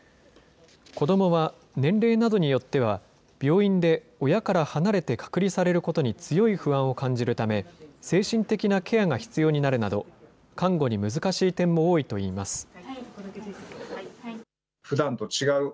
子どもは、年齢などによっては、病院で親から離れて隔離されることに強い不安を感じるため、精神的なケアが必要になるなど、看護に難しい点も多いといいます。